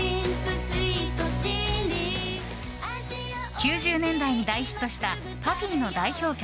９０年代に大ヒットしたＰＵＦＦＹの代表曲